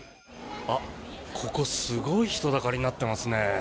ここすごい人だかりになってますね。